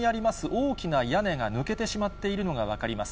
大きな屋根が抜けてしまっているのが分かります。